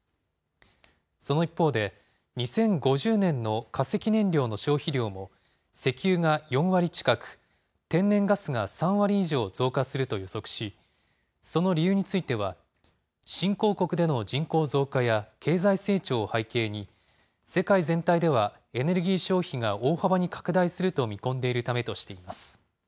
その一方で、２０５０年の化石燃料の消費量も、石油が４割近く、天然ガスが３割以上増加すると予測し、その理由については、新興国での人口増加や、経済成長を背景に、世界全体ではエネルギー消費が大幅に拡大すると見込んでいるためとしています。